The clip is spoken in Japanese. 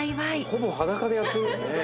ほぼ裸でやってる。